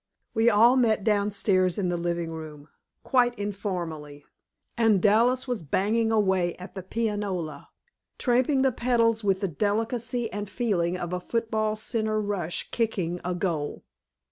We all met downstairs in the living room, quite informally, and Dallas was banging away at the pianola, tramping the pedals with the delicacy and feeling of a football center rush kicking a goal.